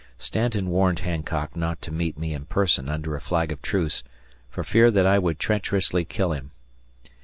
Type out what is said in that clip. Stanton warned Hancock not to meet me in person under a flag of truce, for fear that I would treacherously kill him.